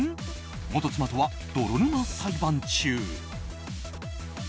元妻とは泥沼裁判中。